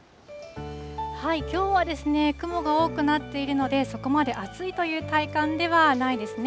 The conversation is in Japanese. きょうは雲が多くなっているので、そこまで暑いという体感ではないですね。